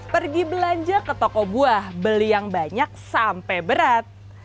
pergi belanja ke toko buah beli yang banyak sampai berat